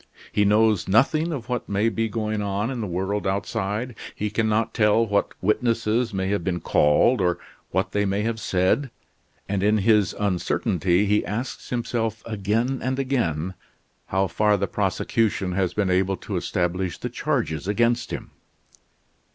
He knows nothing of what may be going on in the world outside. He can not tell what witnesses may have been called, or what they may have said, and in his uncertainty he asks himself again and again how far the prosecution has been able to establish the charges against him.